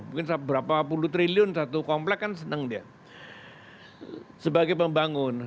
mungkin berapa puluh triliun satu komplek kan senang dia sebagai pembangun